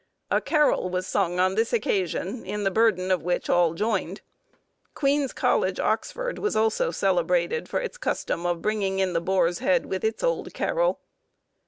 A carol was sung on the occasion, in the burden of which all joined. Queen's College, Oxford, was also celebrated for its custom of bringing in the boar's head with its old carol.